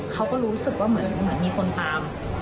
เขาก็รู้สึกว่าเหมือนมีคนตาม